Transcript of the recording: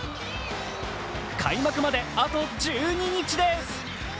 開幕まであと１２日です。